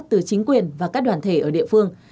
từ chính quyền và các đoàn thể ở địa phương